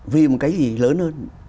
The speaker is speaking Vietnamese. vì một cái gì lớn hơn